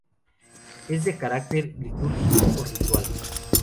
Es de carácter litúrgico o ritual.